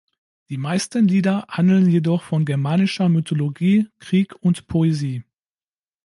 Die meisten Lieder handeln jedoch von germanischer Mythologie, Krieg und Poesie.